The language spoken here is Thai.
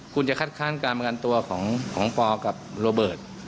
คุณจะคัดค้านการประกันตัวของปอกับโรเบิร์ต